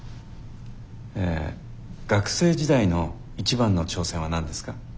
え学生時代の一番の挑戦は何ですか？